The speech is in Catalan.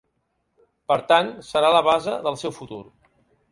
Per tant, serà la base del seu futur.